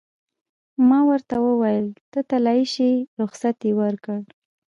ما ورته وویل: ته تلای شې، رخصت یې ورکړ.